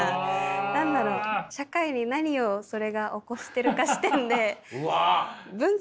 何だろう社会に何をそれが起こしてるか視点で分析しちゃうんで多分。